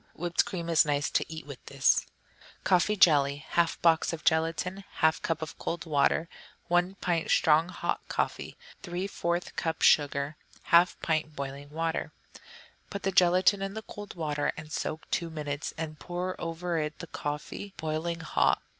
Whipped cream is nice to eat with this. Coffee Jelly 1/2 box of gelatine. 1/2 cup of cold water. 1 pint strong hot coffee. 3/4 cup sugar. 1/2 pint boiling water. Put the gelatine in the cold water and soak two minutes, and pour over it the coffee, boiling hot.